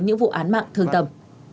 những vụ án mạng thường tầm